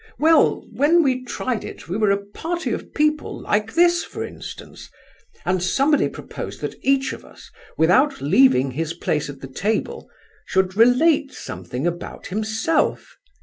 "Well, when we tried it we were a party of people, like this, for instance; and somebody proposed that each of us, without leaving his place at the table, should relate something about himself.